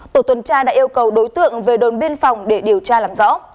tổ tuần tra đã yêu cầu đối tượng về đồn biên phòng để điều tra làm rõ